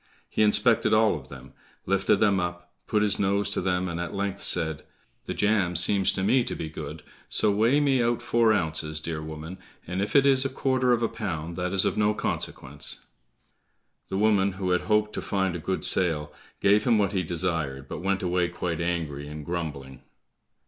He inspected all of them, lifted them up, put his nose to them, and at length said, "The jam seems to me to be good, so weigh me out four ounces, dear woman, and if it is a quarter of a pound that is of no consequence." The woman who had hoped to find a good sale, gave him what he desired, but went away quite angry and grumbling.